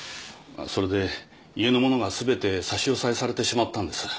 それで家のものが全て差し押さえされてしまったんです。